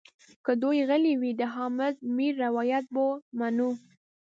که دوی غلي وي د حامد میر روایت به منو.